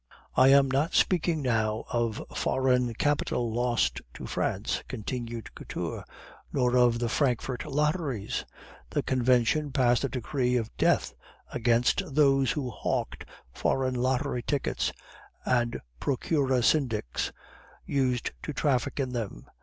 "I am not speaking now of foreign capital lost to France," continued Couture, "nor of the Frankfort lotteries. The Convention passed a decree of death against those who hawked foreign lottery tickets, and procureur syndics used to traffic in them.